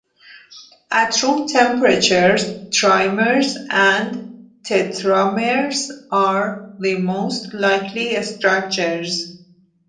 At room temperature trimers and tetramers are the most likely structures.